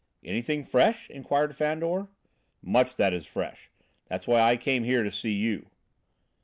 "Anything fresh?" inquired Fandor. "Much that is fresh! That's why I came here to see you."